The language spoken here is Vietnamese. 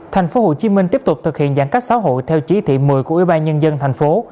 thành phố hồ chí minh tiếp tục thực hiện giãn cách sáu hộ theo chí thị một mươi của ubnd thành phố